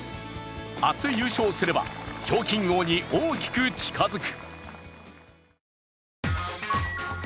明日優勝すれば賞金王に大きく近づく。